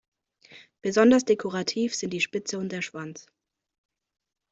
Besonders dekorativ sind die Spitze und der Schwanz.